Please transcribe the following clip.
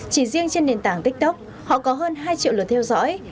chỉ riêng trên nền tảng tiktok họ có hơn hai triệu lượt theo dõi